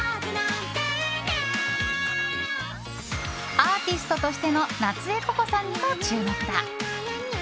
アーティストとしての夏絵ココさんにも注目だ。